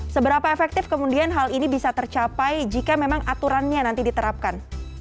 seberapa efektif kemudian hal ini bisa tercapai jika memang aturannya nanti diterapkan